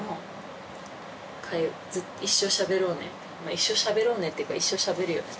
一生しゃべろうねっていうか一生しゃべるよねたぶん。